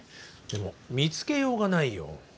でも見つけようがないよ。